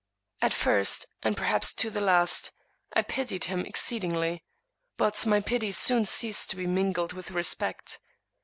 At first, and perhaps to the last, I pitied him exceed ingly. But my pity soon ceased to be mingled with respect.